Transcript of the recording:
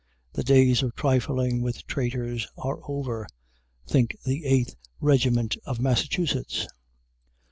"The days of trifling with traitors are over!" think the Eighth Regiment of Massachusetts.